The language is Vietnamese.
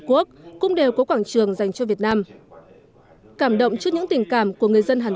quốc cũng đều có quảng trường dành cho việt nam cảm động trước những tình cảm của người dân hàn